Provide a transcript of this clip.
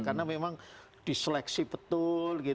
karena memang diseleksi betul